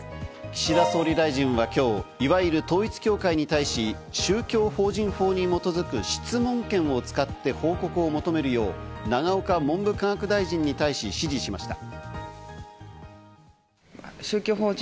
岸田総理大臣は今日、いわゆる統一教会に対し、宗教法人法に基づく質問権を使って報告を求めるよう、永岡文部科学大臣に対し指示しました。